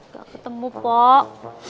gak ketemu pok